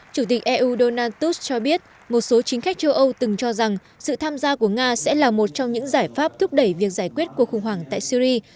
chủ tịch eu donald tus cho biết một số chính khách châu âu từng cho rằng sự tham gia của nga sẽ là một trong những giải pháp thúc đẩy việc giải quyết cuộc khủng hoảng tại syri